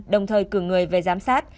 đồng thời cử người về giám sát